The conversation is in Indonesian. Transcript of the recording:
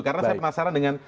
karena saya penasaran dengan